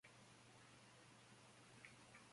Holding GmbH", con sede en Bonn.